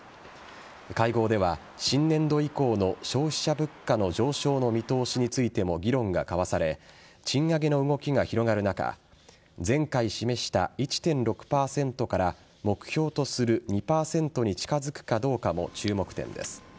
会合では新年度以降の消費者物価の上昇の見通しについても議論が交わされ賃上げの動きが広がる中前回示した１．６％から目標とする２％に近づくかどうかも注目です。